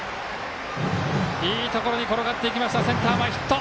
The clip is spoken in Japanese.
いいところに転がっていきましたセンター前ヒット。